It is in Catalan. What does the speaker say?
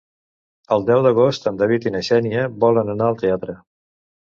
El deu d'agost en David i na Xènia volen anar al teatre.